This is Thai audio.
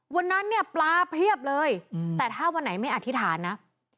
วันนั้นเนี่ยปลาเพียบเลยแต่ถ้าวันไหนไม่อธิษฐานนะ